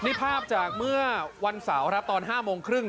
นี่ภาพจากเมื่อวันเสาร์ตอน๕โมงครึ่ง